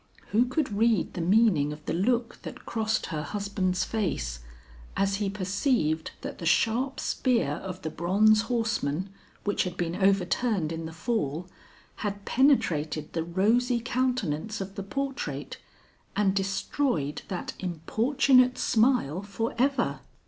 Who could read the meaning of the look that crossed her husband's face as he perceived that the sharp spear of the bronze horseman, which had been overturned in the fall, had penetrated the rosy countenance of the portrait and destroyed that importunate smile forever.